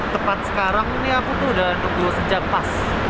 tepat sekarang ini aku tuh udah nunggu sejak pas